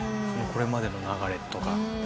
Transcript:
これまでの流れとか。